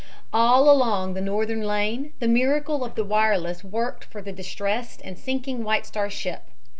All along the northern lane the miracle of the wireless worked for the distressed and sinking White Star ship.